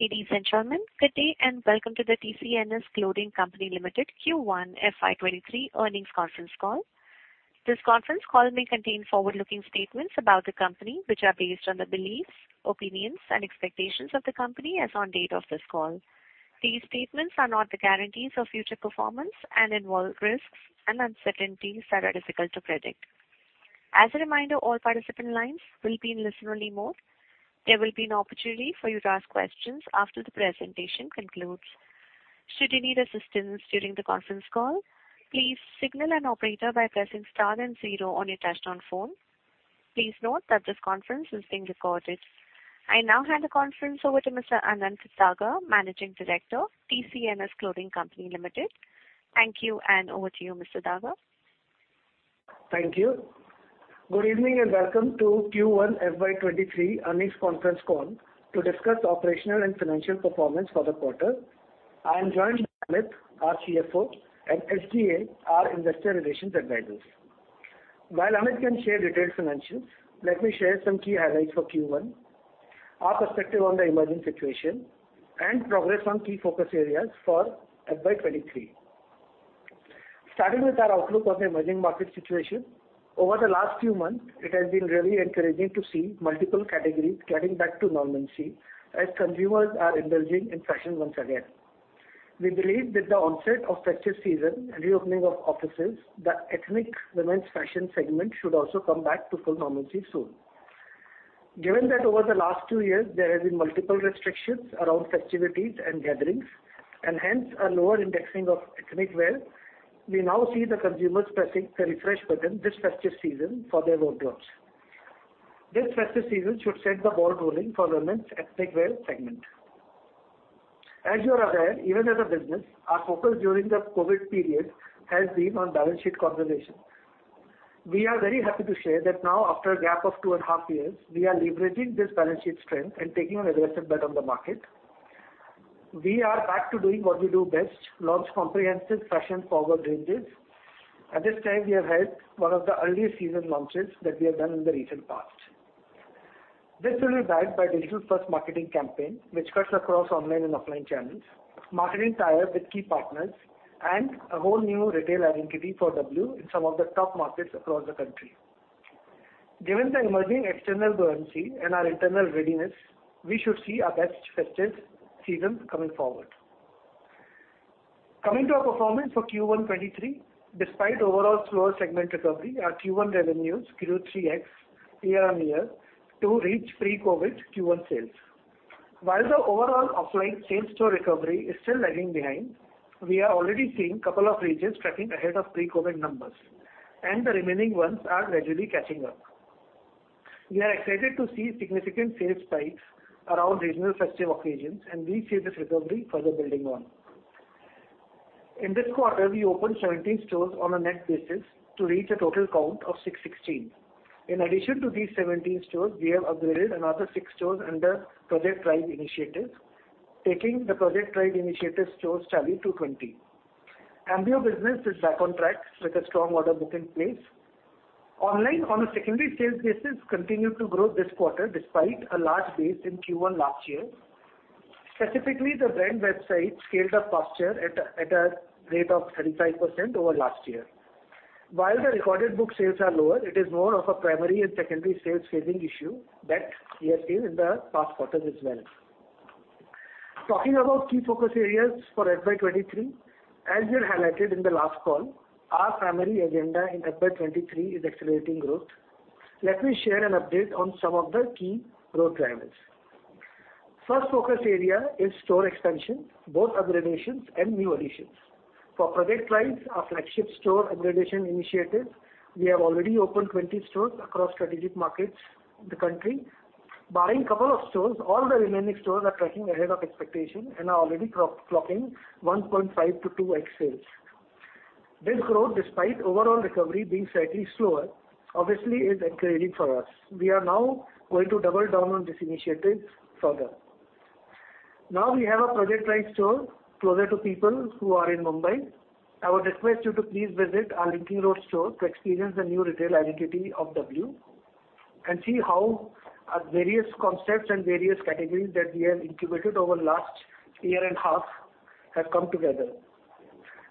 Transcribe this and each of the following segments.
Ladies and gentlemen, good day, and welcome to the TCNS Clothing Co. Limited Q1 FY 2023 earnings conference call. This conference call may contain forward-looking statements about the company, which are based on the beliefs, opinions, and expectations of the company as on date of this call. These statements are not the guarantees of future performance and involve risks and uncertainties that are difficult to predict. As a reminder, all participant lines will be in listen only mode. There will be an opportunity for you to ask questions after the presentation concludes. Should you need assistance during the conference call, please signal an operator by pressing star and zero on your touchtone phone. Please note that this conference is being recorded. I now hand the conference over to Mr. Anant Daga, Managing Director, TCNS Clothing Co. Limited. Thank you, and over to you, Mr. Daga. Thank you. Good evening, and welcome to Q1 FY 2023 earnings conference call to discuss operational and financial performance for the quarter. I am joined by Amit, our CFO, and SGA, our investor relations advisors. While Amit can share detailed financials, let me share some key highlights for Q1, our perspective on the emerging situation, and progress on key focus areas for FY 2023. Starting with our outlook on the emerging market situation. Over the last few months, it has been really encouraging to see multiple categories getting back to normalcy as consumers are indulging in fashion once again. We believe with the onset of festive season and reopening of offices, the ethnic women's fashion segment should also come back to full normalcy soon. Given that over the last two years there have been multiple restrictions around festivities and gatherings, and hence a lower indexing of ethnic wear, we now see the consumers pressing the refresh button this festive season for their wardrobes. This festive season should set the ball rolling for women's ethnic wear segment. As you are aware, even as a business, our focus during the COVID period has been on balance sheet conservation. We are very happy to share that now, after a gap of two and a half years, we are leveraging this balance sheet strength and taking an aggressive bet on the market. We are back to doing what we do best, launch comprehensive fashion-forward ranges. At this time, we have had one of the earliest season launches that we have done in the recent past. This will be backed by digital-first marketing campaign, which cuts across online and offline channels, marketing tie-ups with key partners, and a whole new retail identity for W in some of the top markets across the country. Given the emerging external buoyancy and our internal readiness, we should see our best festive seasons coming forward. Coming to our performance for Q1 2023, despite overall slower segment recovery, our Q1 revenues grew 3x year-on-year to reach pre-COVID Q1 sales. While the overall offline same-store recovery is still lagging behind, we are already seeing couple of regions tracking ahead of pre-COVID numbers, and the remaining ones are gradually catching up. We are excited to see significant sales spikes around regional festive occasions, and we see this recovery further building on. In this quarter, we opened 17 stores on a net basis to reach a total count of 616. In addition to these 17 stores, we have upgraded another six stores under Project Tribe initiative, taking the Project Tribe initiative stores tally to 20. Ambyo business is back on track with a strong order book in place. Online on a secondary sales basis continued to grow this quarter despite a large base in Q1 last year. Specifically, the brand website scaled up faster at a rate of 35% over last year. While the recorded book sales are lower, it is more of a primary and secondary sales phasing issue that we have seen in the past quarters as well. Talking about key focus areas for FY 2023, as we had highlighted in the last call, our primary agenda in FY 2023 is accelerating growth. Let me share an update on some of the key growth drivers. First focus area is store expansion, both upgradations and new additions. For Project Tribe, our flagship store upgradation initiative, we have already opened 20 stores across strategic markets in the country. Barring a couple of stores, all the remaining stores are tracking ahead of expectation and are already clocking 1.5x-2x sales. This growth, despite overall recovery being slightly slower, obviously is encouraging for us. We are now going to double down on this initiative further. Now we have a Project Tribe store closer to people who are in Mumbai. I would request you to please visit our Linking Road store to experience the new retail identity of W and see how our various concepts and various categories that we have incubated over last year and half have come together.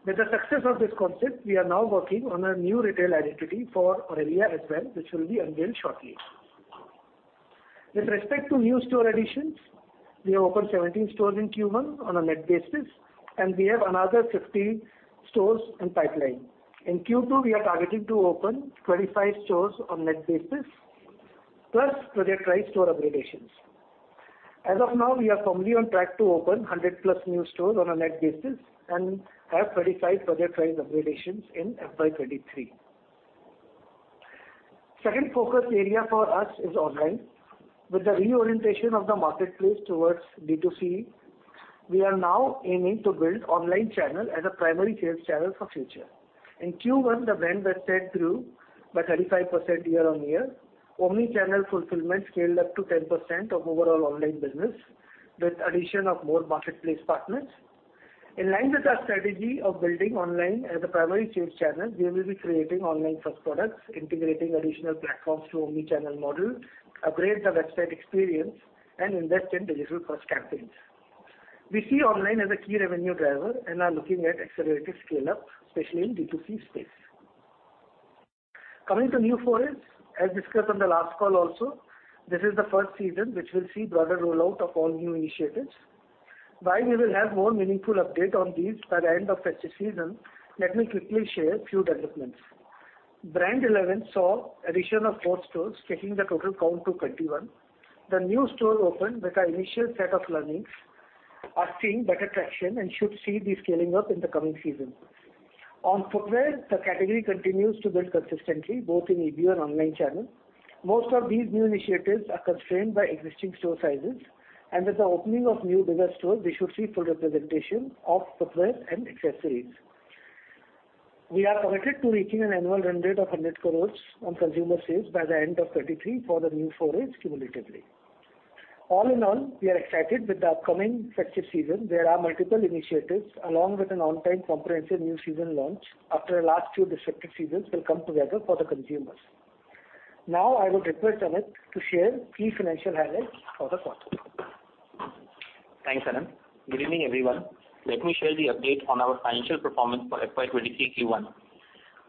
With the success of this concept, we are now working on a new retail identity for Aurelia as well, which will be unveiled shortly. With respect to new store additions, we have opened 17 stores in Q1 on a net basis, and we have another 15 stores in pipeline. In Q2, we are targeting to open 25 stores on net basis, plus Project Tribe store upgradations. As of now, we are firmly on track to open 100+ new stores on a net basis and have 35 Project Tribe upgradations in FY 2023. Second focus area for us is online. With the reorientation of the marketplace towards D2C, we are now aiming to build online channel as a primary sales channel for future. In Q1, the brand website grew by 35% year-over-year. Omnichannel fulfillment scaled up to 10% of overall online business with addition of more marketplace partners. In line with our strategy of building online as a primary sales channel, we will be creating online first products, integrating additional platforms through omni-channel model, upgrade the website experience, and invest in digital first campaigns. We see online as a key revenue driver and are looking at accelerated scale-up, especially in B2C space. Coming to new launches, as discussed on the last call also, this is the first season which will see broader rollout of all new initiatives. While we will have more meaningful update on these by the end of festive season, let me quickly share a few developments. Brand Elleven saw addition of four stores, taking the total count to 21. The new store opened with our initial set of learnings are seeing better traction and should see the scaling up in the coming season. On footwear, the category continues to build consistently both in EBO and online channel. Most of these new initiatives are constrained by existing store sizes, and with the opening of new bigger stores, we should see full representation of footwear and accessories. We are committed to reaching an annual run rate of 100 crores on consumer sales by the end of 2023 for the new formats cumulatively. All in all, we are excited with the upcoming festive season. There are multiple initiatives along with an on-time comprehensive new season launch after the last few disrupted seasons will come together for the consumers. Now, I would request Amit to share key financial highlights for the quarter. Thanks, Anant. Good evening, everyone. Let me share the update on our financial performance for FY 2023 Q1.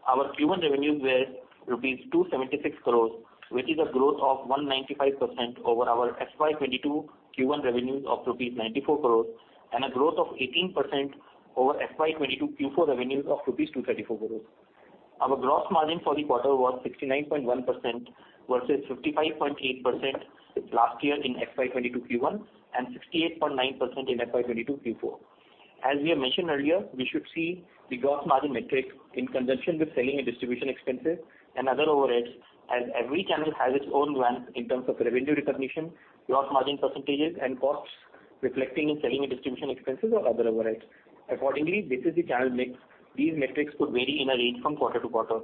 Our Q1 revenues were rupees 276 crores, which is a growth of 195% over our FY22 Q1 revenues of rupees 94 crores and a growth of 18% over FY22 Q4 revenues of rupees 234 crores. Our gross margin for the quarter was 69.1% versus 55.8% last year in FY22 Q1, and 68.9% in FY22 Q4. We have mentioned earlier, we should see the gross margin metric in conjunction with selling and distribution expenses and other overheads, as every channel has its own ramp in terms of revenue recognition, gross margin percentages and costs reflecting in selling and distribution expenses or other overheads. Accordingly, based on the channel mix, these metrics could vary in a range from quarter to quarter.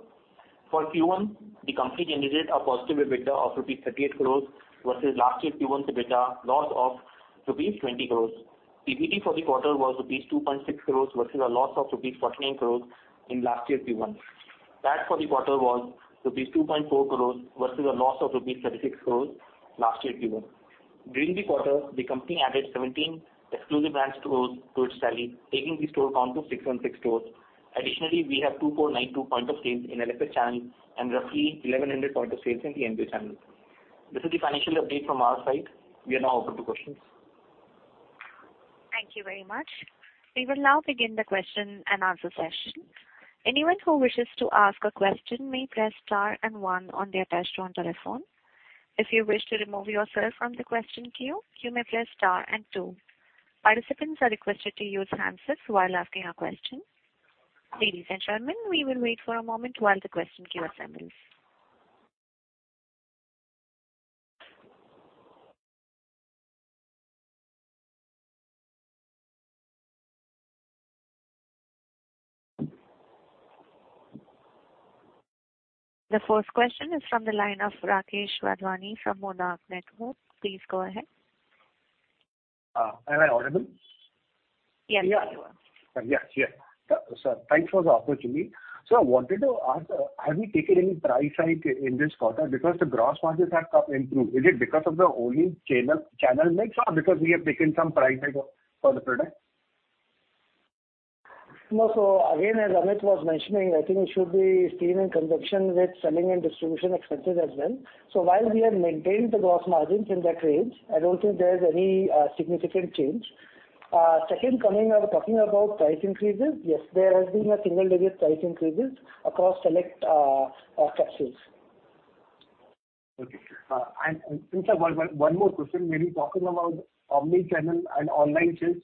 For Q1, the company generated a positive EBITDA of rupees 38 crore versus last year's Q1 EBITDA loss of rupees 20 crore. PBT for the quarter was rupees 2.6 crore versus a loss of rupees 49 crore in last year's Q1. PAT for the quarter was rupees 2.4 crore versus a loss of rupees 36 crore last year Q1. During the quarter, the company added 17 exclusive brand stores to its tally, taking the store count to 616 stores. Additionally, we have 2,492 points of sale in LFS channel and roughly 1,100 points of sale in the MBO channel. This is the financial update from our side. We are now open to questions. Thank you very much. We will now begin the question and answer session. Anyone who wishes to ask a question may press star and one on their touchtone telephone. If you wish to remove yourself from the question queue, you may press star and two. Participants are requested to use hands-free while asking a question. Ladies and gentlemen, we will wait for a moment while the question queue assembles. The first question is from the line of Rakesh Wadhwani from Monarch Networth Capital. Please go ahead. Am I audible? Yes, you are. Yeah. Thanks for the opportunity. I wanted to ask, have you taken any price hike in this quarter? Because the gross margins have improved. Is it because of the online channel mix or because we have taken some price hike for the product? No. Again, as Amit was mentioning, I think it should be seen in conjunction with selling and distribution expenses as well. While we have maintained the gross margins in that range, I don't think there's any significant change. Second question, you are talking about price increases. Yes, there has been a single-digit price increases across select capsules. Okay. One more question. When you're talking about omni-channel and online sales,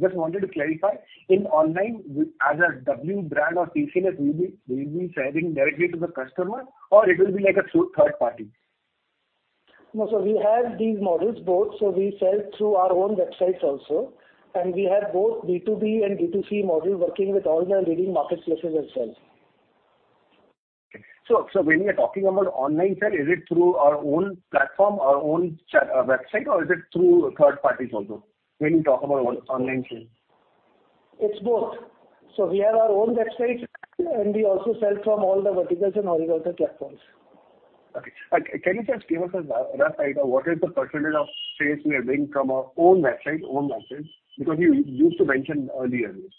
just wanted to clarify, in online as a W brand or TCNS, we'll be selling directly to the customer, or it will be like a third party? No. We have these models both. We sell through our own websites also, and we have both B2B and B2C model working with all the leading marketplaces as well. When we are talking about online sale, is it through our own platform, our own website, or is it through third parties also when you talk about online sales? It's both. We have our own website, and we also sell from all the verticals and horizontal platforms. Can you just give us a rough idea what is the percentage of sales we are doing from our own website? Because you used to mention earlier this.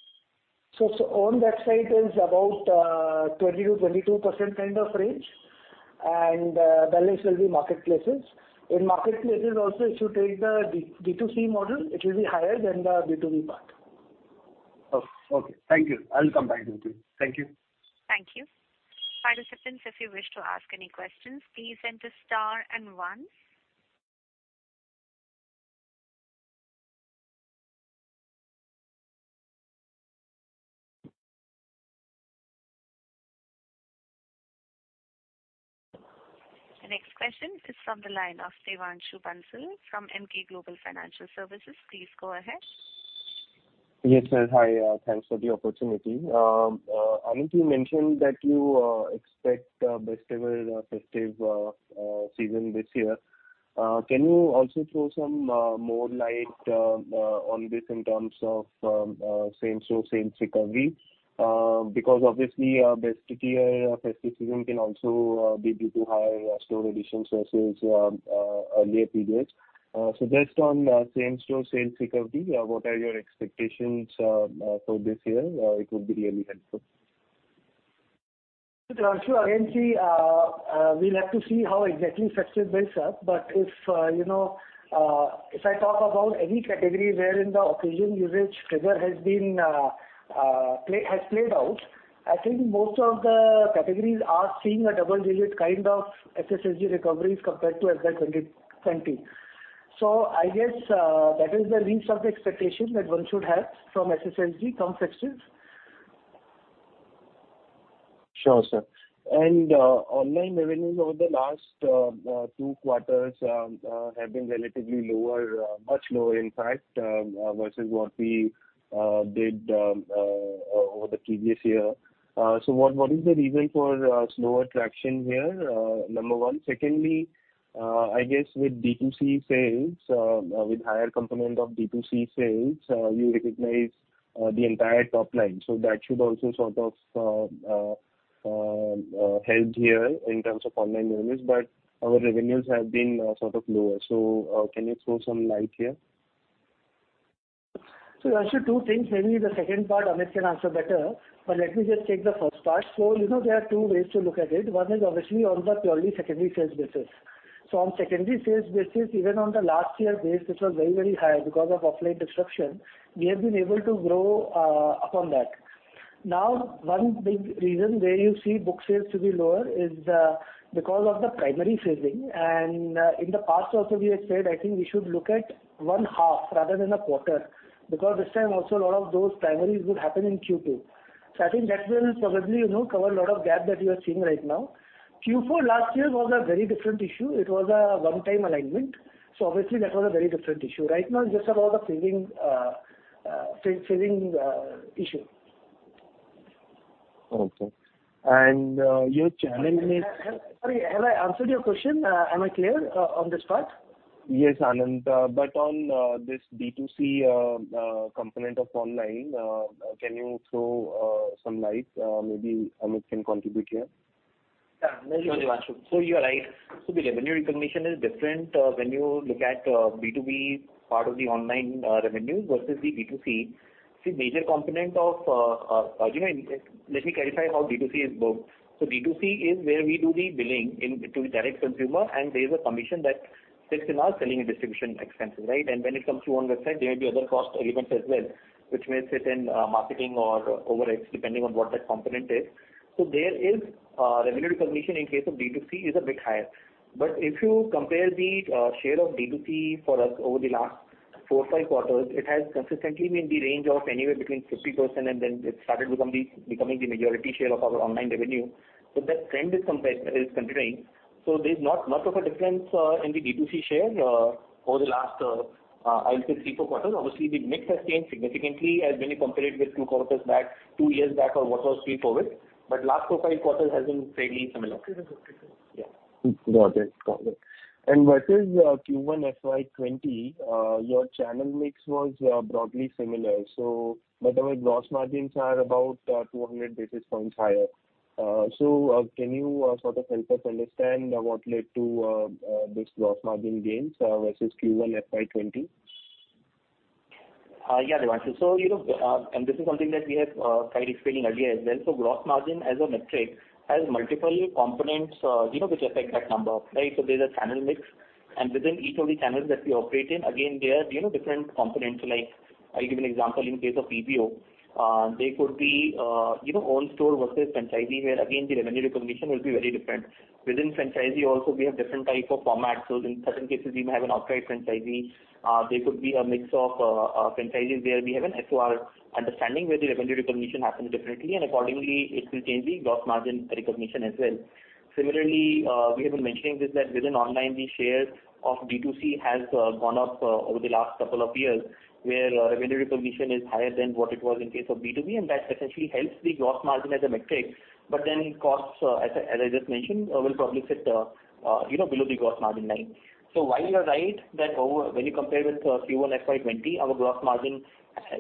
Our own website is about 20%-22% kind of range, and the rest will be marketplaces. In marketplaces also, if you take the B2C model, it will be higher than the B2B part. Oh, okay. Thank you. I'll come back to you. Thank you. Thank you. Participants, if you wish to ask any questions, please enter star and one. The next question is from the line of Devanshu Bansal from Emkay Global Financial Services. Please go ahead. Yes, sir. Hi, thanks for the opportunity. Amit, you mentioned that you expect a festive season this year. Can you also throw some more light on this in terms of same-store sales recovery? Because obviously, better festive season can also be due to higher store addition versus earlier periods. Just on same-store sales recovery, what are your expectations for this year? It would be really helpful. Sure. Again, see, we'll have to see how exactly festive builds up. But if, you know, if I talk about any category wherein the occasion usage trigger has been, has played out, I think most of the categories are seeing a double-digit kind of SSSG recoveries compared to FY20. I guess that is the range of expectation that one should have from SSSG come festive. Sure, sir. Online revenues over the last two quarters have been relatively lower, much lower in fact, versus what we did over the previous year. What is the reason for slower traction here, number one? Secondly, I guess with D2C sales, with higher component of D2C sales, you recognize the entire top line. That should also sort of help here in terms of online revenues, but our revenues have been sort of lower. Can you throw some light here? Actually two things. Maybe the second part, Amit can answer better, but let me just take the first part. You know there are two ways to look at it. One is obviously on the purely secondary sales basis. On secondary sales basis, even on the last year base, which was very, very high because of offline disruption, we have been able to grow upon that. Now, one big reason where you see book sales to be lower is because of the primary phasing. In the past also we had said, I think we should look at one half rather than a quarter, because this time also a lot of those primaries would happen in Q2. I think that will probably, you know, cover a lot of gap that you are seeing right now. Q4 last year was a very different issue. It was a one-time alignment, so obviously that was a very different issue. Right now it's just about the phasing issue. Okay. Your channel mix- Sorry, have I answered your question? Am I clear on this part? Yes, Anant, but on this D2C component of online, can you throw some light? Maybe Amit can contribute here. Yeah. You are right. The revenue recognition is different when you look at B2B part of the online revenue versus the B2C. See, major component of, you know, let me clarify how B2C is booked. B2C is where we do the billing into the direct consumer, and there is a commission that sits in our selling and distribution expenses, right? When it comes to own website, there may be other cost elements as well, which may sit in marketing or overheads, depending on what that component is. There is revenue recognition in case of B2C is a bit higher. If you compare the share of B2C for us over the last 4-5 quarters, it has consistently been in the range of anywhere between 50%, and then it started becoming the majority share of our online revenue. That trend is continuing. There's not much of a difference in the B2C share over the last, I'll say Q4 quarter. Obviously, the mix has changed significantly as when you compare it with two quarters back, two years back or what was pre-COVID, but last 4-5 quarters has been fairly similar. Okay. That's it. Got it. Versus Q1 FY20, your channel mix was broadly similar, but our gross margins are about 200 basis points higher. Can you sort of help us understand what led to this gross margin gains versus Q1 FY20? You know, this is something that we have tried explaining earlier as well. Gross margin as a metric has multiple components, you know, which affect that number, right? There's a channel mix, and within each of the channels that we operate in, again, there are, you know, different components. Like I'll give you an example in case of PPO. There could be, you know, own store versus franchisee, where again the revenue recognition will be very different. Within franchisee also we have different type of formats. In certain cases we may have an outright franchisee. There could be a mix of franchisees where we have an SOR understanding, where the revenue recognition happens differently and accordingly it will change the gross margin recognition as well. Similarly, we have been mentioning this, that within online the shares of B2C has gone up over the last couple of years, where revenue recognition is higher than what it was in case of B2B, and that essentially helps the gross margin as a metric. Costs, as I just mentioned, will probably sit, you know, below the gross margin line. While you are right that when you compare with Q1 FY20, our gross margin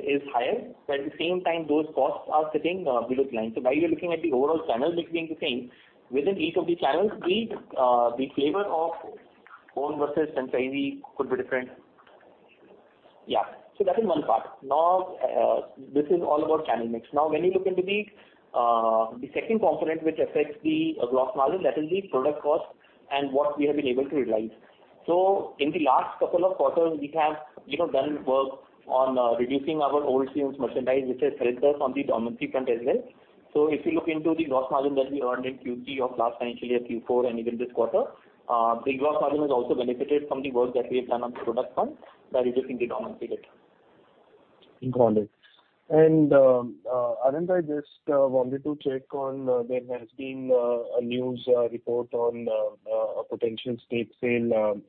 is higher, but at the same time, those costs are sitting below the line. While you're looking at the overall channel mix being the same, within each of the channels, the flavor of own versus franchisee could be different. Yeah. That is one part. Now, this is all about channel mix. Now when you look into the second component which affects the gross margin, that is the product cost and what we have been able to realize. In the last couple of quarters we have, you know, done work on reducing our old season's merchandise, which has helped us on the occupancy front as well. If you look into the gross margin that we earned in Q3 of last financial year, Q4 and even this quarter, the gross margin has also benefited from the work that we have done on the product front by reducing the occupancy bit. Got it. Anant, I just wanted to check on there has been a news report on a potential stake sale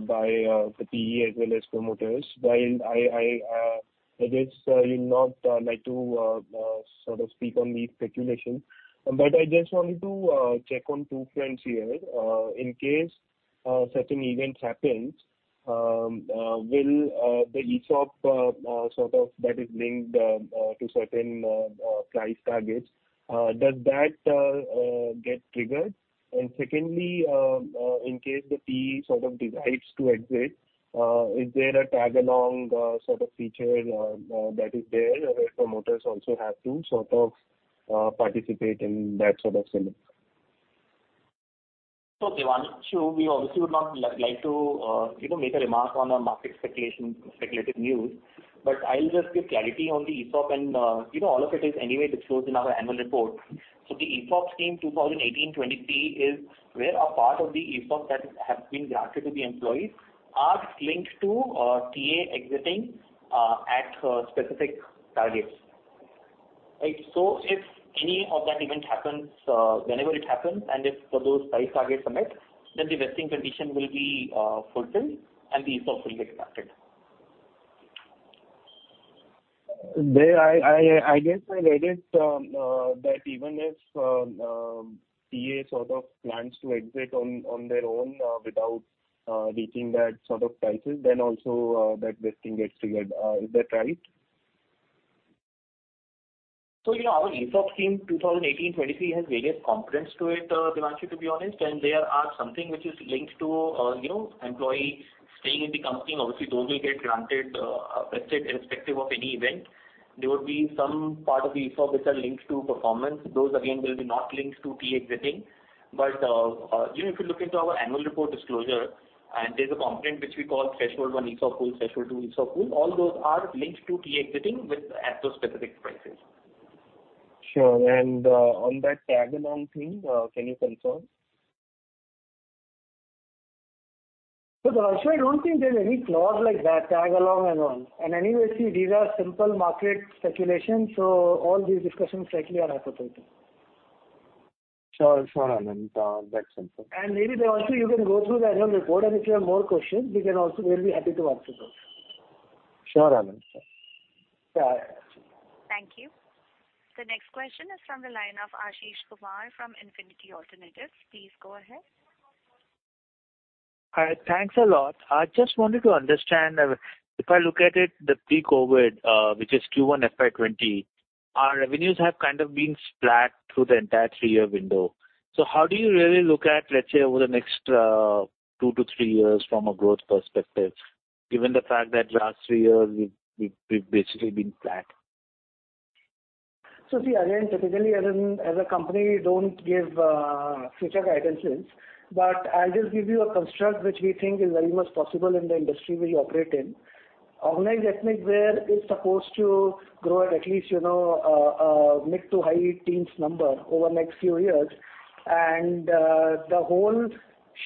by the PE as well as promoters. While I guess you'll not like to sort of speak on the speculation. I just wanted to check on two points here. In case certain events happens, will the ESOP sort of that is linked to certain price targets does that get triggered? Secondly, in case the PE sort of decides to exit, is there a tag-along sort of feature that is there where promoters also have to sort of participate in that sort of selling? Devanshu, sure, we obviously would not like to, you know, make a remark on the market speculation, speculative news. But I'll just give clarity on the ESOP and, you know, all of it is anyway disclosed in our annual report. The ESOP scheme 2018-2023 is where a part of the ESOP that has been granted to the employees are linked to, TA exiting, at specific targets. Right. If any of that event happens, whenever it happens, and if those price targets are met, then the vesting condition will be, fulfilled and the ESOP will get vested. I guess I read it that even if TA sort of plans to exit on their own without reaching that sort of prices, then also that vesting gets triggered. Is that right? You know, our ESOP scheme 2018-2023 has various components to it, Devanshu, to be honest, and there are something which is linked to, you know, employee staying in the company. Obviously, those will get granted, vested irrespective of any event. There will be some part of the ESOP which are linked to performance. Those again will be not linked to TA exiting. You know, if you look into our annual report disclosure, and there's a component which we call threshold one ESOP pool, threshold two ESOP pool, all those are linked to TA exiting at those specific prices. Sure. On that tag-along thing, can you confirm? Devanshu, I don't think there's any clause like that, tag along and all. Anyway, see, these are simple market speculation, so all these discussions frankly are hypothetical. Sure. Sure, Anant. That's helpful. Maybe there also you can go through the annual report, and if you have more questions, we can also. We'll be happy to answer those. Sure, Anant. Sure. Bye. Thank you. The next question is from the line of Ashish Kumar from Infinity Alternatives. Please go ahead. Hi. Thanks a lot. I just wanted to understand, if I look at it, the pre-COVID, which is Q1 FY 2020, our revenues have kind of been flat through the entire three-year window. How do you really look at, let's say, over the next 2-3 years from a growth perspective, given the fact that last three years we've basically been flat? See, again, typically as a company, we don't give future guidance hints, but I'll just give you a construct which we think is very much possible in the industry we operate in. Organized ethnic wear is supposed to grow at least mid- to high-teens number over next few years. The whole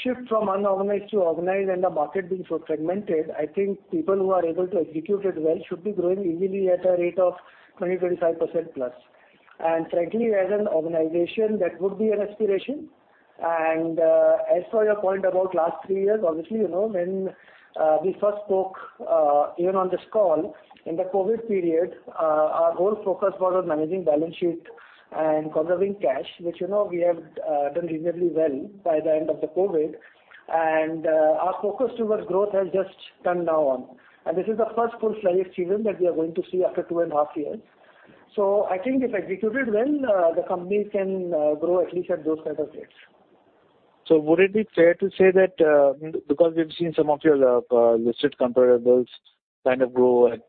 shift from unorganized to organized and the market being so fragmented, I think people who are able to execute it well should be growing easily at a rate of 20%-25%+. Frankly, as an organization, that would be an aspiration. As for your point about last three years, obviously, you know, when we first spoke, even on this call, in the COVID period, our whole focus was on managing balance sheet and conserving cash, which, you know, we have done reasonably well by the end of the COVID. Our focus towards growth has just turned now on. This is the first full-fledged season that we are going to see after two and a half years. I think if executed well, the company can grow at least at those kind of rates. Would it be fair to say that because we've seen some of your listed comparables kind of grow at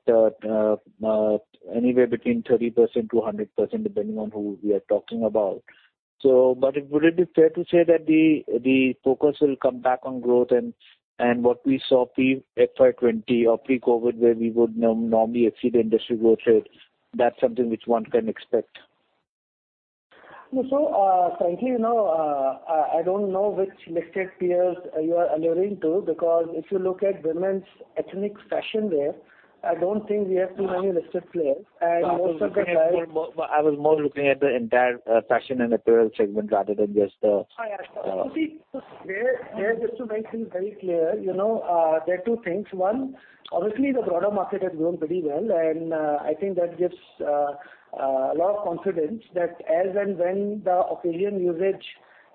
anywhere between 30%-100%, depending on who we are talking about. Would it be fair to say that the focus will come back on growth and what we saw pre-FY20 or pre-COVID, where we would normally exceed industry growth rates, that's something which one can expect? Frankly, you know, I don't know which listed peers you are alluding to, because if you look at women's ethnic fashion wear, I don't think we have too many listed players. Most of the times. I was more looking at the entire fashion and apparel segment rather than just. Oh, yeah. To make things very clear, you know, there are two things. One, obviously the broader market has grown pretty well, and I think that gives a lot of confidence that as and when the occasion usage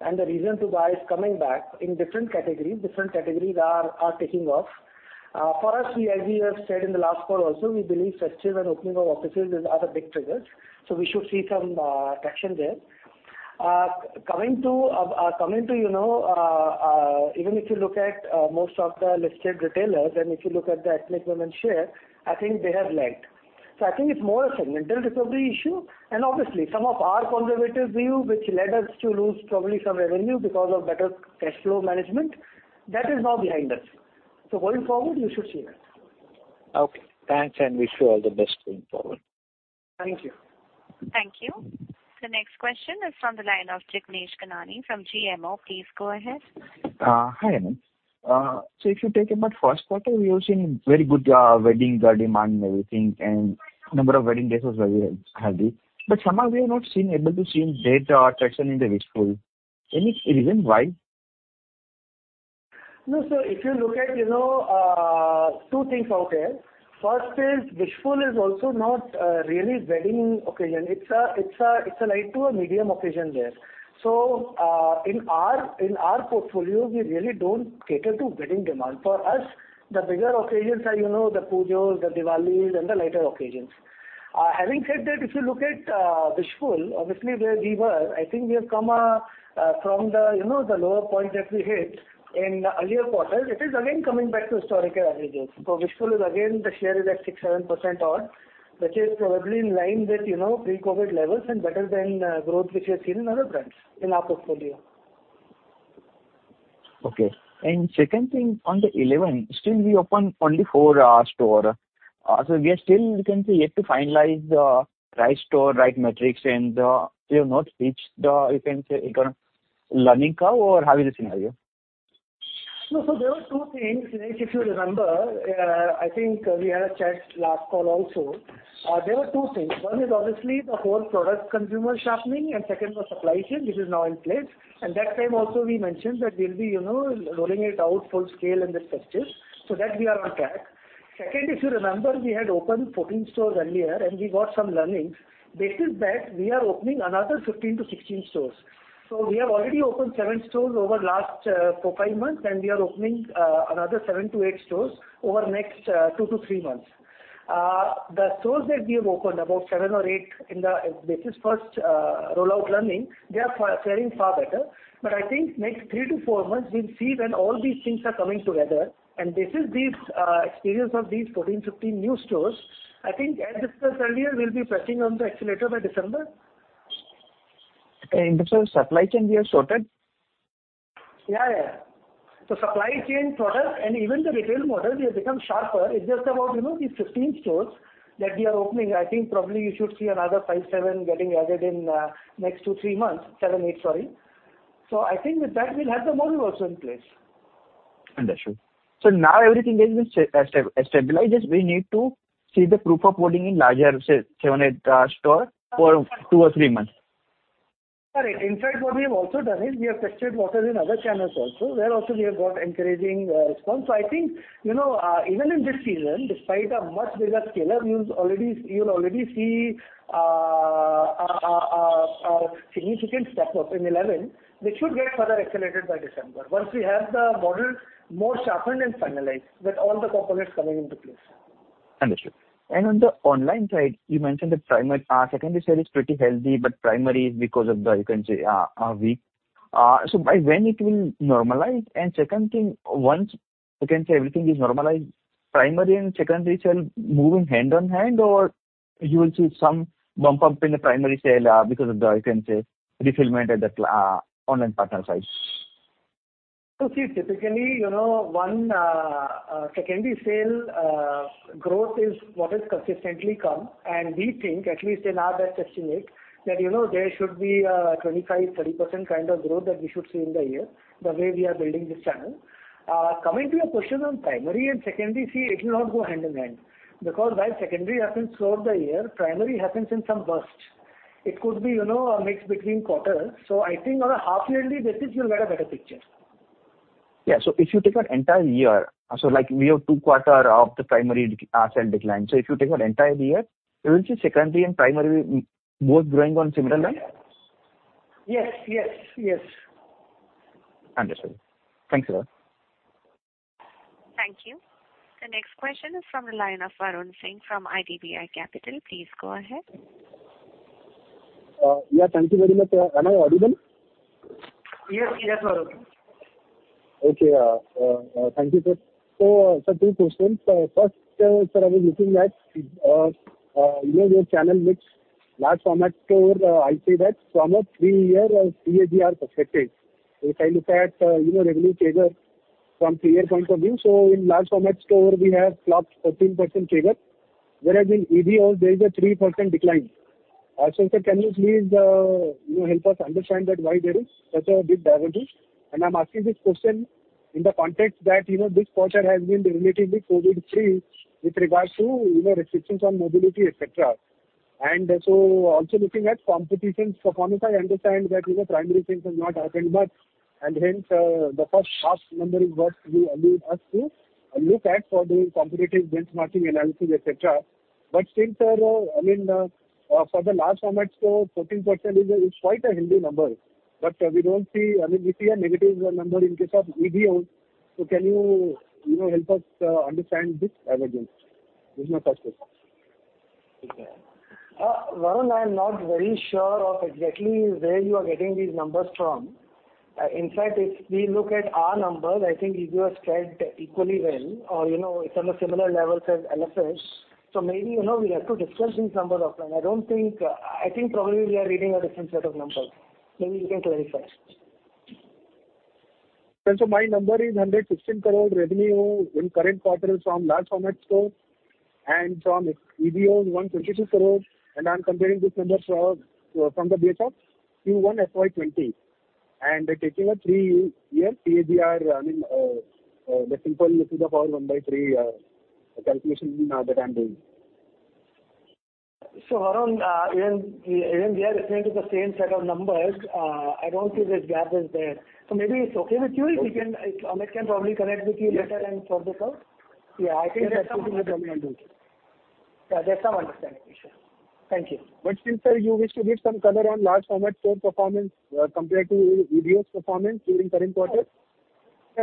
and the reason to buy is coming back in different categories, different categories are taking off. For us, as we have said in the last call also, we believe festive and opening of offices are the big triggers. We should see some traction there. Coming to, you know, even if you look at most of the listed retailers, and if you look at the ethnic women's share, I think they have lagged. I think it's more a segmental recovery issue. Obviously some of our conservative view, which led us to lose probably some revenue because of better cash flow management, that is now behind us. Going forward, you should see that. Okay. Thanks, and wish you all the best going forward. Thank you. Thank you. The next question is from the line of Jignesh Kamani from GMO. Please go ahead. Hi, Anant. If you talk about first quarter, we have seen very good wedding demand and everything, and number of wedding days was very high. Somehow we are not able to see data or traction in the Wishful. Any reason why? No, if you look at, you know, two things out there. First is, Wishful is also not really wedding occasion. It's a light to a medium occasion there. In our portfolio, we really don't cater to wedding demand. For us, the bigger occasions are, you know, the Pujas, the Diwalis, and the lighter occasions. Having said that, if you look at Wishful, obviously where we were, I think we have come from the, you know, the lower point that we hit in earlier quarters, it is again coming back to historical averages. Wishful is again, the share is at 6%-7% odd, which is probably in line with, you know, pre-COVID levels and better than growth which you have seen in other brands in our portfolio. Okay. Second thing, on the Elleven, still we open only four store. Also we are still, you can say, yet to finalize the right store, right metrics, and, we have not reached the, you can say, you know, learning curve, or how is the scenario? No, there were two things, like if you remember, I think we had a chat last call also. There were two things. One is obviously the whole product consumer sharpening, and second was supply chain, which is now in place. That time also we mentioned that we'll be, you know, rolling it out full scale in this quarter. That we are on track. Second, if you remember, we had opened 14 stores earlier and we got some learnings. Based on that, we are opening another 15-16 stores. We have already opened seven stores over last four, five months, and we are opening another 7-8 stores over next 2-3 months. The stores that we have opened, about seven or eight. This is first rollout learning. They are faring far better. I think next three to four months, we'll see when all these things are coming together. This is the experience of these 14, 15 new stores. I think as discussed earlier, we'll be pressing on the accelerator by December. The supply chain, we have sorted? Yeah, yeah. The supply chain product and even the retail model, we have become sharper. It's just about, you know, these 16 stores that we are opening. I think probably you should see another 5-7 getting added in next 2-3 months. 7-8, sorry. I think with that we'll have the model also in place. Understood. Now everything has been stabilized. We need to see the proof of holding in larger, say, seven, eight, store for two or three months. Correct. In fact, what we have also done is we have tested waters in other channels also. There also we have got encouraging response. I think, you know, even in this season, despite a much bigger scale, you'll already see a significant step up in Elleven, which should get further accelerated by December once we have the model more sharpened and finalized with all the components coming into place. Understood. On the online side, you mentioned that secondary sale is pretty healthy, but primary is weak. By when it will normalize? Second thing, once, you can say, everything is normalized, primary and secondary sale moving hand in hand, or you will see some bump up in the primary sale, because of the, you can say, fulfillment at the online partner side. See, typically, you know, secondary sale growth is what has consistently come, and we think, at least in our best estimate, that, you know, there should be a 25%-30% kind of growth that we should see in the year, the way we are building this channel. Coming to your question on primary and secondary, see, it will not go hand in hand because while secondary happens throughout the year, primary happens in some bursts. It could be, you know, a mix between quarters. I think on a half yearly basis you'll get a better picture. If you take an entire year, like we have two quarters of the primary sales decline. If you take an entire year, you will see secondary and primary both growing on similar line? Yes. Understood. Thanks a lot. Thank you. The next question is from the line of Varun Singh from IDBI Capital. Please go ahead. Yeah, thank you very much. Am I audible? Yes. Yes, Varun. Okay. Thank you, sir. Sir, two questions. First, sir, I was looking at, you know, your channel mix large format store. I see that from a three-year CAGR perspective. If I look at, you know, revenue growth from three-year point of view, in large format store we have clocked 13% growth, whereas in EBOs there is a 3% decline. Also, sir, can you please, you know, help us understand why there is such a big divergence? I'm asking this question in the context that, you know, this quarter has been relatively COVID free with regards to, you know, restrictions on mobility, et cetera. Also looking at competition performance, I understand that, you know, Pujas have not happened, and hence, the first half number is what you allowed us to look at for the competitive benchmarking analysis, et cetera. Since, I mean, for the large format store, 13% is quite a healthy number, but we don't see. I mean, we see a negative number in case of EBO. Can you know, help us understand this divergence? Is my first question. Varun, I'm not very sure of exactly where you are getting these numbers from. In fact, if we look at our numbers, I think EBOs fared equally well or you know, it's on the similar levels as LFS. Maybe, you know, we'll have to discuss these numbers offline. I think probably we are reading a different set of numbers. Maybe you can clarify. My number is 116 crore revenue in current quarter from large format store and from EBO 156 crore, and I'm comparing these numbers from the base of Q1 FY 2020, and taking a three-year CAGR, I mean, the simple one by three calculation that I'm doing. Varun, even we are referring to the same set of numbers, I don't think this gap is there. Maybe it's okay with you if we can? Amit can probably connect with you later and sort this out. Yeah. Yeah, I think that's something we probably can do. Yeah, there's some understanding issue. Thank you. Still, sir, you wish to give some color on large format store performance, compared to EBOs' performance during current quarter?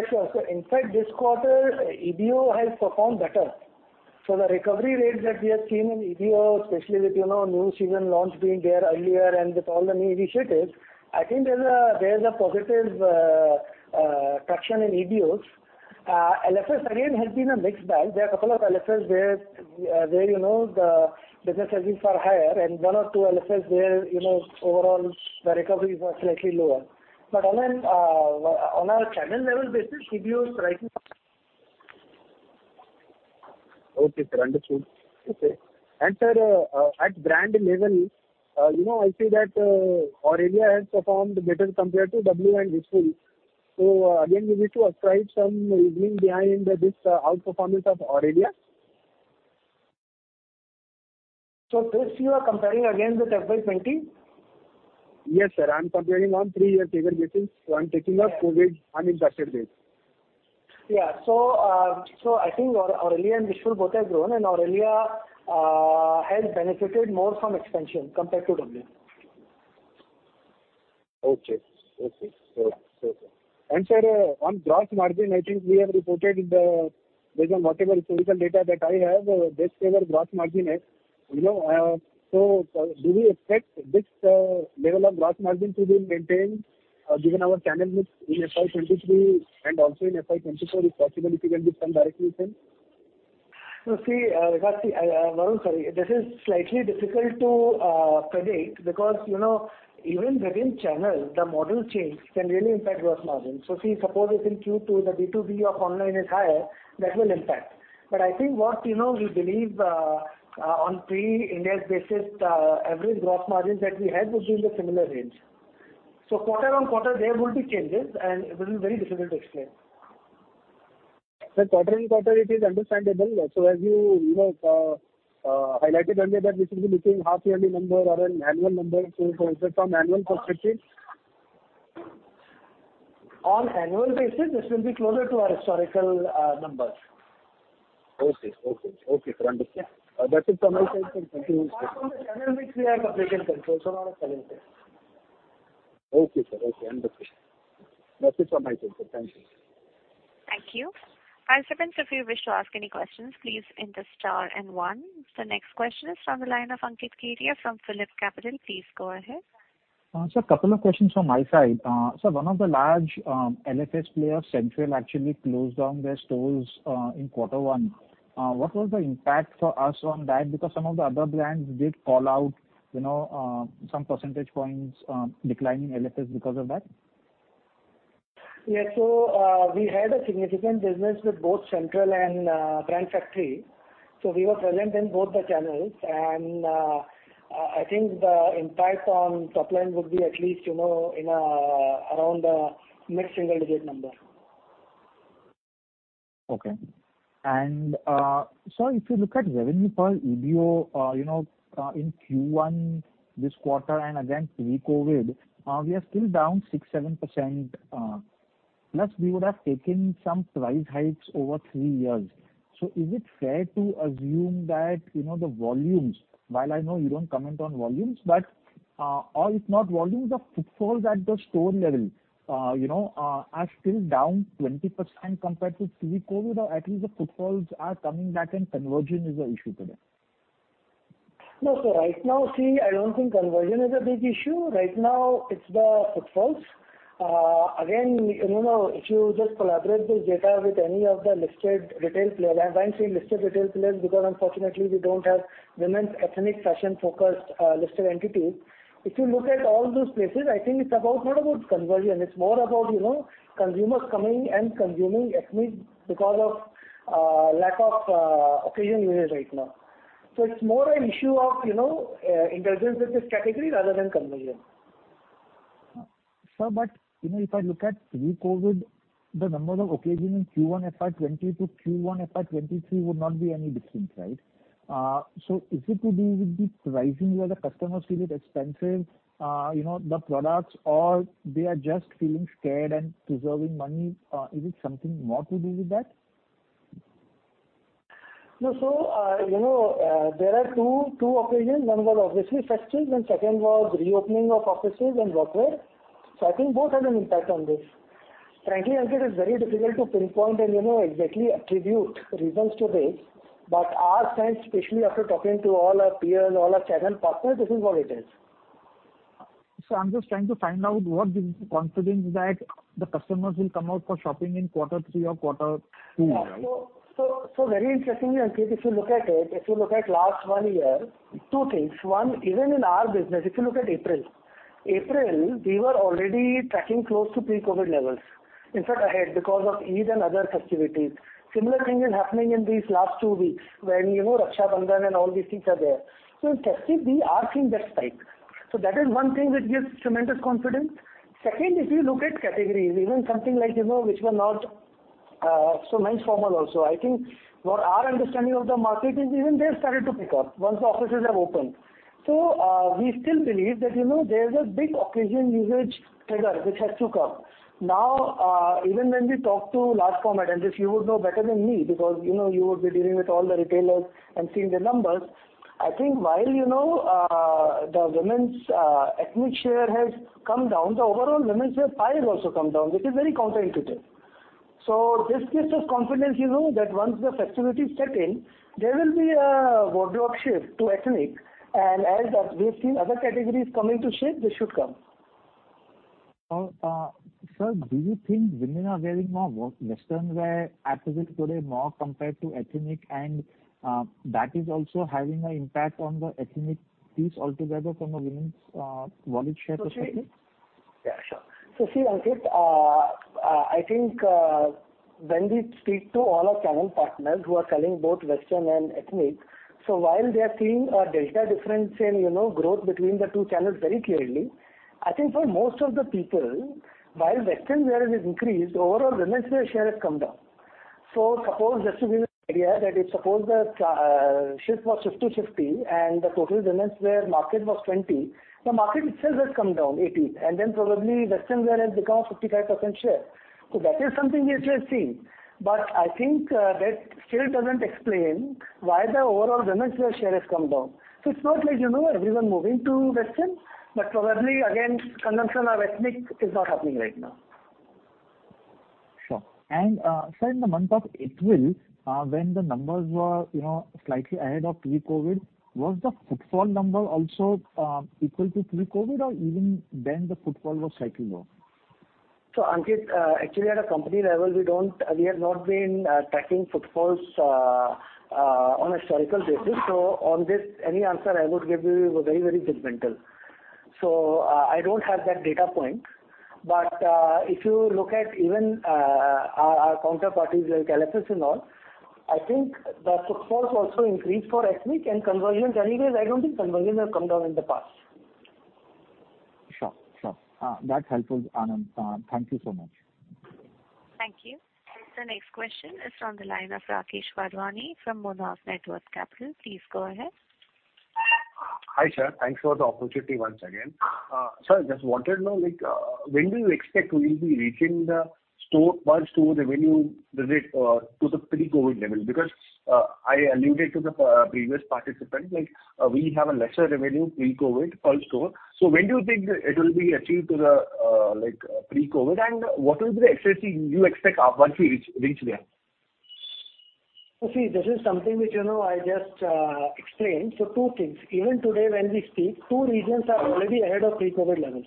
Sure, sure. In fact, this quarter, EBO has performed better. The recovery rates that we have seen in EBO, especially with, you know, new season launch being there earlier and with all the new initiatives, I think there's a positive traction in EBOs. LFS again has been a mixed bag. There are a couple of LFS where you know, the business has been far higher, and one or two LFS where, you know, overall the recoveries are slightly lower. On a channel level basis, EBOs right now Okay, sir. Understood. Okay. Sir, at brand level, you know, I see that Aurelia has performed better compared to W and Wishful. Again, you wish to ascribe some reasoning behind this outperformance of Aurelia? This you are comparing against with FY20? Yes, sir. I'm comparing on three-year period basis. I'm taking a COVID unimpacted base. I think Aurelia and Wishful both have grown, and Aurelia has benefited more from expansion compared to W. Okay. Sure, sir. Sir, on gross margin, I think we have reported the best ever gross margin based on whatever historical data that I have. You know, do we expect this level of gross margin to be maintained given our channel mix in FY 2023 and also in FY24? If possible, if you can give some direction then? No, see, because Varun, sorry. This is slightly difficult to predict because, you know, even within channel, the model change can really impact gross margin. See, suppose if in Q2 the B2B of online is higher, that will impact. I think what, you know, we believe on pre-Ind AS basis, average gross margin that we had would be in the similar range. Quarter on quarter, there will be changes, and it will be very difficult to explain. Sir, quarter on quarter it is understandable. As you know, highlighted earlier that this will be between half yearly number or an annual number. Is it on annual perspective? On annual basis, this will be closer to our historical numbers. Okay, sir. Understood. That is from my side, sir. Thank you. Apart from the channel mix, we have complete control, so not a challenge there. Okay, sir. Okay, understood. That's it from my side, sir. Thank you. Thank you. Our participants, if you wish to ask any questions, please enter star and one. The next question is from the line of Ankit Kedia from PhillipCapital. Please go ahead. Sir, couple of questions from my side. Sir, one of the large LFS players, Central, actually closed down their stores in quarter one. What was the impact for us on that? Because some of the other brands did call out, you know, some percentage points decline in LFS because of that. We had a significant business with both Central and Brand Factory, so we were present in both the channels and I think the impact on top line would be at least, you know, in around mid-single digit number. Okay. Sir, if you look at revenue per EBO, you know, in Q1 this quarter and again pre-COVID, we are still down 6%-7%. Plus we would have taken some price hikes over three years. Is it fair to assume that, you know, the volumes, while I know you don't comment on volumes, but, or if not volumes, the footfalls at the store level, you know, are still down 20% compared to pre-COVID, or at least the footfalls are coming back and conversion is the issue today? No, sir. Right now, see, I don't think conversion is a big issue. Right now it's the footfalls. Again, you know, if you just correlate this data with any of the listed retail players, I'm trying to say listed retail players because unfortunately we don't have women's ethnic fashion focused, listed entities. If you look at all those places, I think it's not about conversion, it's more about, you know, consumers coming and consuming ethnic because of lack of occasion usage right now. It's more an issue of, you know, indulgence with this category rather than conversion. Sir, you know, if I look at pre-COVID, the number of occasions in Q1 FY 2020 to Q1 FY 2023 would not be any different, right? Is it to do with the pricing where the customers feel it's expensive, you know, the products or they are just feeling scared and preserving money? Is it something more to do with that? No. You know, there are two occasions. One was obviously festivals and second was reopening of offices and workwear. I think both have an impact on this. Frankly, Ankit, it's very difficult to pinpoint and exactly attribute reasons to this. Our sense, especially after talking to all our peers, all our channel partners, this is what it is. I'm just trying to find out what gives you confidence that the customers will come out for shopping in quarter three or quarter two, right? Very interestingly, Ankit, if you look at it, if you look at last one year, two things. One, even in our business, if you look at April, we were already tracking close to pre-COVID levels. In fact, ahead because of Eid and other festivities. A similar thing is happening in these last two weeks when Raksha Bandhan and all these things are there. In festive we are seeing that spike. That is one thing which gives tremendous confidence. Second, if you look at categories, even something like men's formal also. I think what our understanding of the market is even they have started to pick up once the offices have opened. We still believe that there's a big occasion usage trigger which has to come. Now, even when we talk to large format, and this you would know better than me because, you know, you would be dealing with all the retailers and seeing their numbers. I think while, you know, the women's ethnic share has come down, the overall women's wear pie has also come down, which is very counterintuitive. This gives us confidence, you know, that once the festivities set in, there will be a wardrobe shift to ethnic and as we've seen other categories coming into shape, this should come. Sir, do you think women are wearing more western wear as of today more compared to ethnic and that is also having an impact on the ethnic piece altogether from a women's volume share perspective? Yeah, sure. See, Ankit, I think when we speak to all our channel partners who are selling both western and ethnic, while they are seeing a delta difference in, you know, growth between the two channels very clearly, I think for most of the people, while western wear has increased, overall women's wear share has come down. Suppose just to give you an idea that if the shift was 50/50 and the total women's wear market was 20, the market itself has come down 18 and then probably western wear has become a 55% share. That is something which we have seen. I think that still doesn't explain why the overall women's wear share has come down. It's not like, you know, everyone moving to western, but probably again, consumption of ethnic is not happening right now. Sure. Sir, in the month of April, when the numbers were, you know, slightly ahead of pre-COVID, was the footfall number also equal to pre-COVID or even then the footfall was cycling low? Ankit, actually at a company level, we have not been tracking footfalls on a historical basis. On this, any answer I would give you would be very, very judgmental. I don't have that data point. But if you look at even our counterparties like LFS and all, I think the footfalls also increased for ethnic and conversions anyways. I don't think conversions have come down in the past. Sure. That's helpful, Anant. Thank you so much. Thank you. The next question is from the line of Rakesh Wadhwani from Monarch Networth Capital. Please go ahead. Hi, sir. Thanks for the opportunity once again. Sir, just wanted to know, like, when do you expect we'll be reaching the store, per store revenue rate, to the pre-COVID level? Because, I alluded to the previous participant, like we have a lesser revenue pre-COVID per store. When do you think it will be achieved to the, like pre-COVID, and what will be the excess you expect, once we reach there? See, this is something which, you know, I just explained. Two things. Even today when we speak, two regions are already ahead of pre-COVID levels.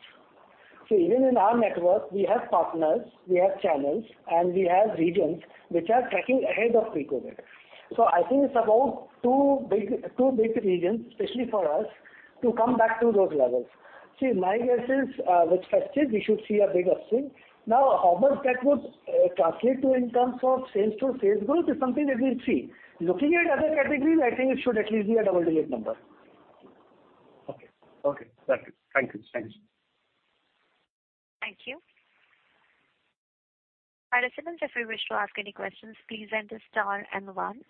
Even in our network we have partners, we have channels, and we have regions which are tracking ahead of pre-COVID. I think it's about two big regions, especially for us, to come back to those levels. See, my guess is, with festive we should see a big upswing. Now, how much that would translate to in terms of sales to sales growth is something that we'll see. Looking at other categories, I think it should at least be a double-digit number. Okay. That's it. Thank you. Thanks. Thank you. Participants, if you wish to ask any questions, please enter star and one.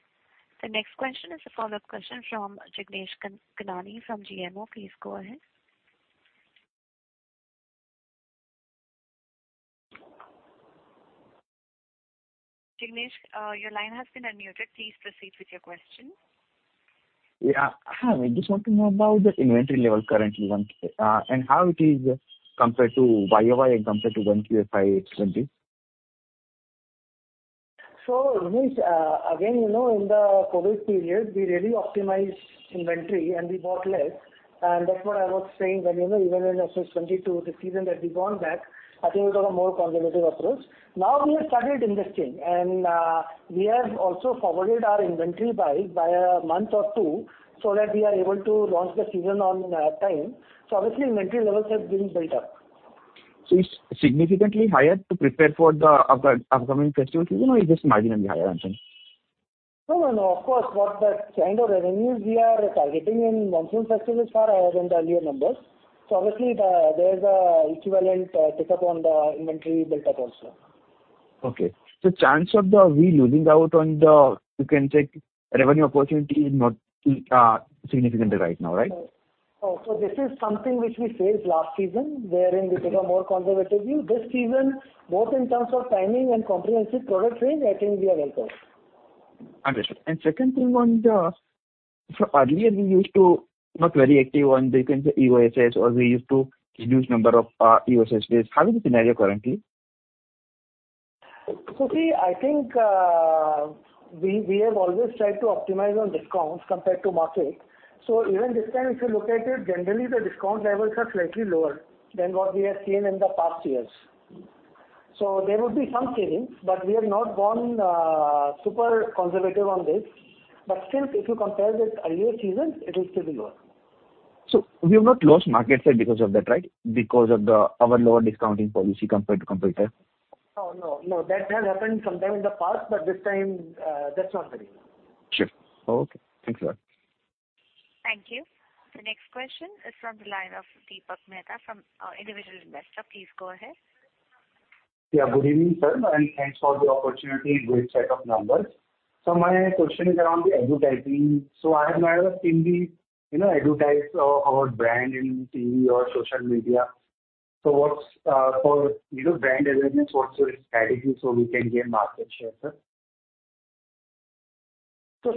The next question is a follow-up question from Jignesh Kamani from GMO. Please go ahead. Jignesh, your line has been unmuted. Please proceed with your question. Yeah. Hi. I just want to know about the inventory level currently, and how it is compared to YOY and compared to 1Q FY 2018-2020? Jignesh, again, you know, in the COVID period we really optimized inventory and we bought less. That's what I was saying when, you know, even in FY2022, the season that we gone back, I think we took a more conservative approach. Now we have started investing and, we have also forwarded our inventory by a month or two so that we are able to launch the season on time. Obviously, inventory levels have been built up. It's significantly higher to prepare for the upcoming festive season, or it's just marginally higher than some? No, no. Of course, what the kind of revenues we are targeting in monsoon festive is far higher than the earlier numbers. Obviously there is an equivalent pick up on the inventory built up also. Okay. Chance of us losing out on the revenue opportunity is not significant right now, right? No. This is something which we faced last season, wherein we become more conservative in. This season, both in terms of timing and comprehensive product range, I think we are well covered. Understood. Second thing on the, so earlier we used to not very active on the, you can say, EOSS or we used to reduce number of EOSS days. How is the scenario currently? See, I think, we have always tried to optimize on discounts compared to market. Even this time if you look at it, generally the discount levels are slightly lower than what we have seen in the past years. There would be some savings, but we have not gone, super conservative on this. Still if you compare with earlier seasons, it will still be lower. We have not lost market share because of that, right? Because of our lower discounting policy compared to competitor. No, no. No, that has happened sometime in the past, but this time, that's not the reason. Sure. Okay. Thanks a lot. Thank you. The next question is from the line of Deepak Mehta from Individual Investor. Please go ahead. Yeah, good evening, sir, and thanks for the opportunity. Great set of numbers. My question is around the advertising. I have not seen the, you know, advertisements of our brand in TV or social media. What's your strategy for, you know, brand awareness so we can gain market share, sir?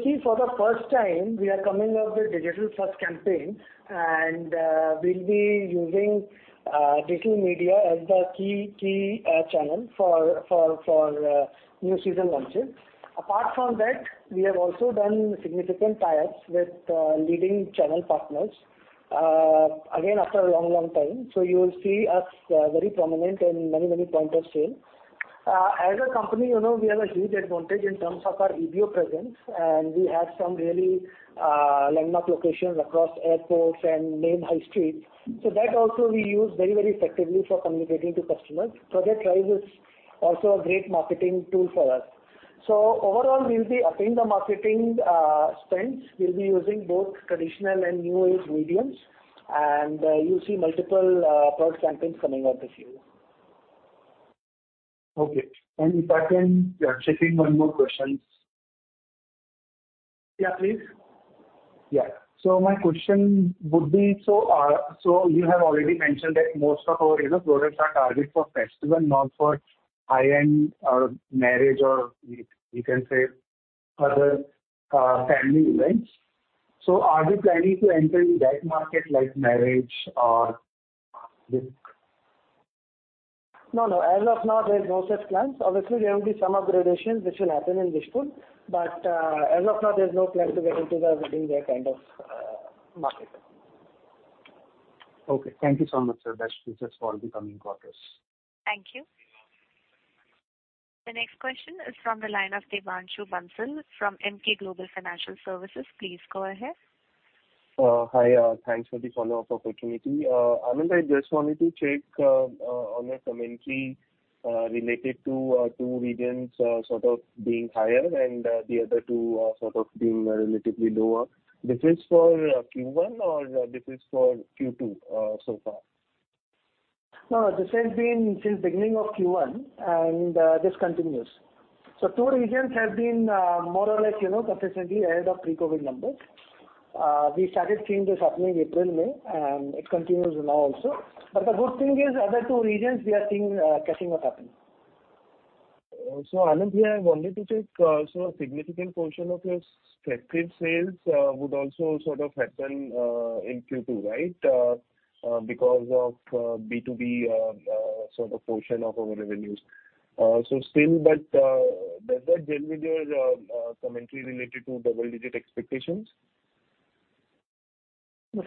See, for the first time, we are coming up with digital first campaign and we'll be using digital media as the key channel for new season launches. Apart from that, we have also done significant tie-ups with leading channel partners, again, after a long time. You will see us very prominent in many point of sale. As a company, you know, we have a huge advantage in terms of our EBO presence, and we have some really landmark locations across airports and main high streets. That also we use very effectively for communicating to customers. Project Tribe is also a great marketing tool for us. Overall, we'll be upping the marketing spends. We'll be using both traditional and new-age media, and you'll see multiple product campaigns coming up this year. Okay. If I can, yeah, check in one more question? Yeah, please. My question would be, you have already mentioned that most of our, you know, products are targeted for festival, not for high-end or marriage or you can say other family events. Are you planning to enter in that market like marriage or this? No. As of now, there is no such plans. Obviously, there will be some upgradation which will happen in Wishful, but as of now, there's no plan to get into the wedding wear kind of market. Okay. Thank you so much, sir. Best wishes for the coming quarters. Thank you. The next question is from the line of Devanshu Bansal from Emkay Global Financial Services. Please go ahead. Hi. Thanks for this wonderful opportunity. Anant, I just wanted to check on a commentary related to two regions sort of being higher and the other two sort of being relatively lower. This is for Q1 or this is for Q2 so far? No, this has been since beginning of Q1, and this continues. Two regions have been more or less, you know, sufficiently ahead of pre-COVID numbers. We started seeing this happening in April, May, and it continues now also. The good thing is other two regions we are seeing catching up happening. Anant here, I wanted to check a significant portion of your festive sales would also sort of happen in Q2, right? Because of B2B sort of portion of our revenues. Does that gel with your commentary related to double-digit expectations?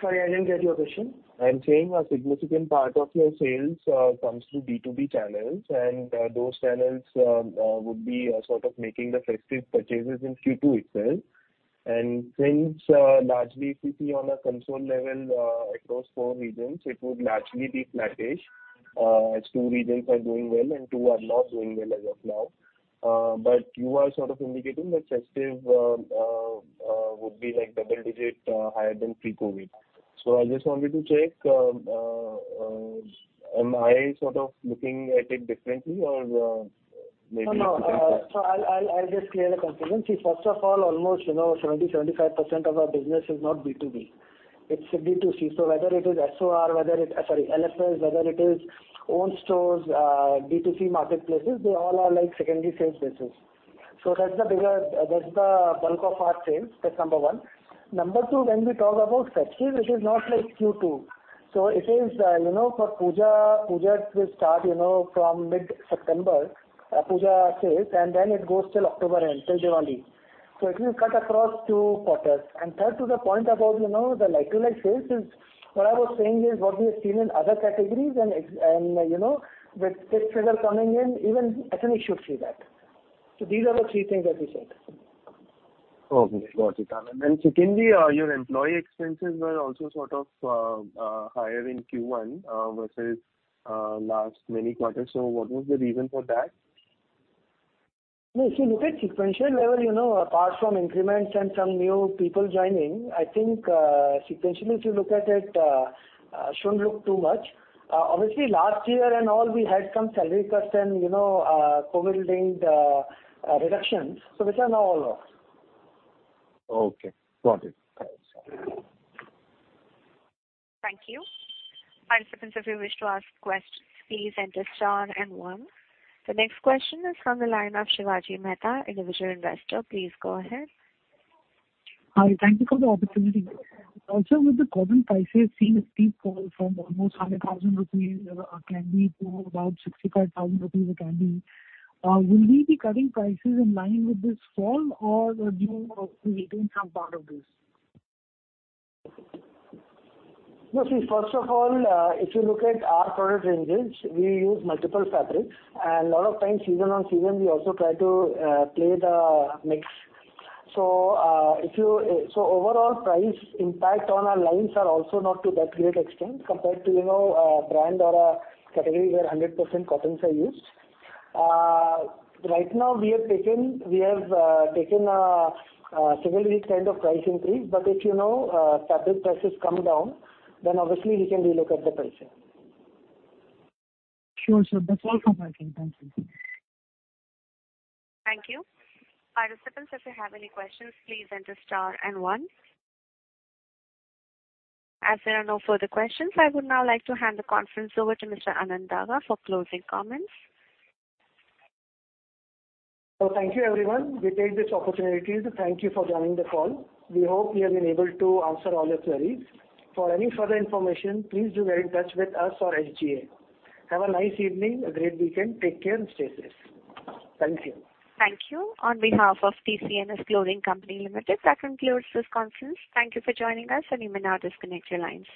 Sorry, I didn't get your question. I'm saying a significant part of your sales comes through B2B channels, and those channels would be sort of making the festive purchases in Q2 itself. Since largely if you see on a consolidated level across four regions, it would largely be flattish, as two regions are doing well and two are not doing well as of now. You are sort of indicating that festive would be like double-digit higher than pre-COVID. I just wanted to check, am I sort of looking at it differently or maybe? No, no. I'll just clear the confusion. See, first of all, almost 70%-75% of our business is not B2B. It's B2C. Whether it is SOR, LFS, own stores, B2C marketplaces, they all are like secondary sales business. That's the bigger, that's the bulk of our sales. That's number one. Number two, when we talk about festive, it is not like Q2. It is for Puja. Pujas will start from mid-September, Puja sales, and then it goes till October end, till Diwali. It will cut across two quarters. Third to the point about, you know, the like-for-like sales is what I was saying is what we have seen in other categories and, you know, with this figure coming in, even ethnic should see that. These are the three things I just said. Okay. Got it, Anant. Secondly, your employee expenses were also sort of higher in Q1 versus last many quarters. What was the reason for that? No, if you look at sequential level, you know, apart from increments and some new people joining, I think, sequentially if you look at it, shouldn't look too much. Obviously last year and all we had some salary cuts and, you know, COVID-linked reductions. These are now all off. Okay. Got it. Thanks. Thank you. Participants, if you wish to ask questions, please enter star and one. The next question is from the line of Shivaji Mehta, Individual Investor. Please go ahead. Hi, thank you for the opportunity. Also with the cotton prices seeing a steep fall from almost 100,000 rupees a candy to about 65,000 rupees a candy, will we be cutting prices in line with this fall or do you hope to retain some part of this? No, see, first of all, if you look at our product ranges, we use multiple fabrics, and a lot of times season on season we also try to play the mix. So overall price impact on our lines are also not to that great extent compared to, you know, a brand or a category where 100% cottons are used. Right now we have taken a single digit kind of price increase, but if, you know, fabric prices come down, then obviously we can relook at the pricing. Sure, sir. That's all from my end. Thank you. Thank you. Participants, if you have any questions, please enter star and one. As there are no further questions, I would now like to hand the conference over to Mr. Anant Daga for closing comments. Thank you everyone. We take this opportunity to thank you for joining the call. We hope we have been able to answer all your queries. For any further information, please do get in touch with us or SGA. Have a nice evening, a great weekend. Take care and stay safe. Thank you. Thank you. On behalf of TCNS Clothing Co. Limited, that concludes this conference. Thank you for joining us, and you may now disconnect your lines.